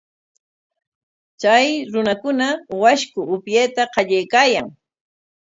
Chay runakuna washku upyayta qallaykaayan.